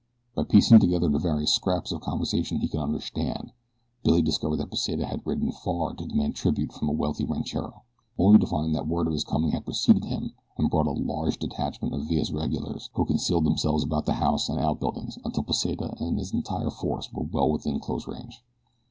By piecing together the various scraps of conversation he could understand Billy discovered that Pesita had ridden far to demand tribute from a wealthy ranchero, only to find that word of his coming had preceded him and brought a large detachment of Villa's regulars who concealed themselves about the house and outbuildings until Pesita and his entire force were well within close range.